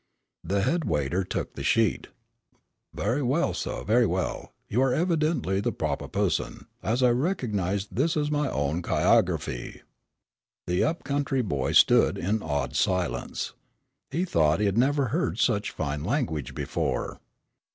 The head waiter took the sheet. "Ve'y well, suh, ve'y well. You are evidently the p'oper pusson, as I reco'nize this as my own chirography." The up country boy stood in awed silence. He thought he had never heard such fine language before.